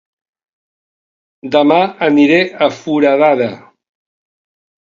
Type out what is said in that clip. Dema aniré a Foradada